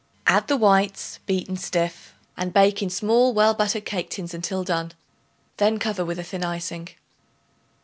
Add the whites beaten stiff and bake in small well buttered cake tins until done; then cover with a thin icing.